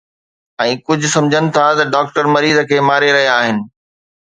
۽ ڪجهه سمجهن ٿا ته ڊاڪٽر مريضن کي ماري رهيا آهن.